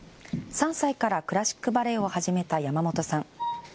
３歳からクラシックバレエを始めた山本さん。